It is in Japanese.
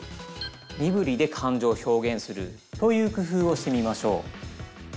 身ぶりで感情を表現するというくふうをしてみましょう。